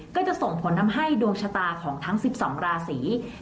ก็จะส่งผลทำให้ดวงชะตาของทั้ง๑๒ราศรีมีการเปลี่ยนแปลงไปค่ะ